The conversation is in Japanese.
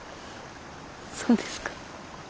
そうですか。